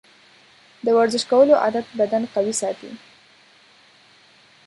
د ورزش کولو عادت بدن قوي ساتي.